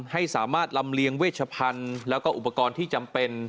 ให้สามารถลำเลียงเวชพันธุ์แล้วก็อุปกรณ์ที่จำเป็น